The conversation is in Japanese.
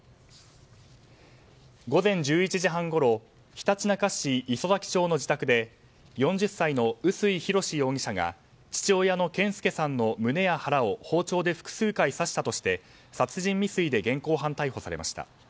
午前１１時半ごろひたちなか市磯崎町の自宅で４０歳の薄井弘志容疑者が父親の健介さんの胸や腹を包丁で複数回刺したとして殺人未遂で現行犯逮捕されました。